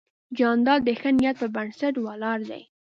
جانداد د ښه نیت پر بنسټ ولاړ دی.